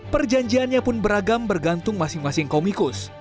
perjanjiannya pun beragam bergantung masing masing komikus